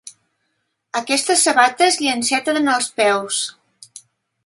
Aquestes sabates li enceten els peus.